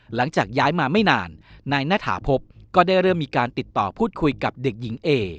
หลังจากย้ายมาไม่นานนายณฐาพบก็ได้เริ่มมีการติดต่อพูดคุยกับเด็กหญิงเอ